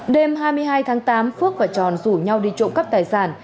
đêm hai mươi hai tháng tám phước và tròn rủ nhau đi trộm cắp tài sản